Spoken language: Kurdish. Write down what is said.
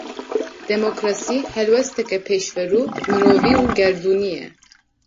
Demokrasî, helwesteke pêşverû, mirovî û gerdûnî ye